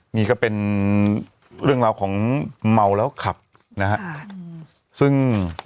นี่ก็เป็นเรื่องราวของเมาแล้วขับนะฮะซึ่ง